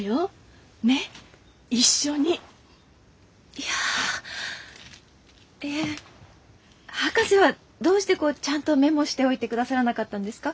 いや。え博士はどうしてこうちゃんとメモしておいてくださらなかったんですか？